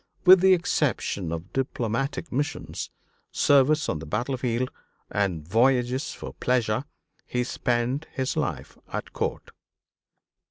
With the exception of diplomatic missions, service on the battle field, and voyages for pleasure, he spent his life at court.